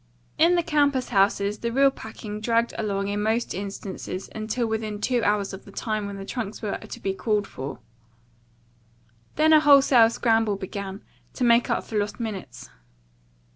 In the campus houses the real packing dragged along in most instances until within two hours of the time when the trunks were to be called for. Then a wholesale scramble began, to make up for lost minutes.